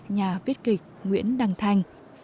nhà viết kịch nguyễn đăng thái